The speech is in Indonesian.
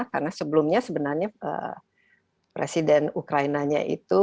karena sebelumnya sebenarnya presiden ukraina nya itu